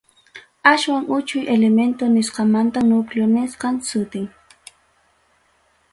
Aswan uchuy elemento nisqamantam núcleo nisqam sutin.